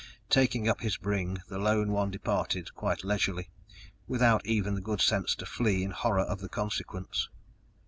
Taking up his bring, the lone one departed quite leisurely, without even the good sense to flee in horror of the consequence.